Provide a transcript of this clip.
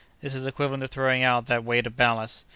This is equivalent to throwing out that weight of ballast.